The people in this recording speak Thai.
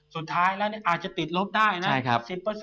สุดท้ายแล้วอาจจะติดลบได้นะ